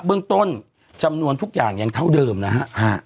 เบื้องต้นจำนวนทุกอย่างยังเท่าเดิมนะฮะ